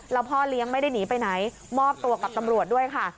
แล้วพ่อเลี้ยงไม่ได้หนีไปไหนมอบตัวกับตำรวจด้วยค่ะ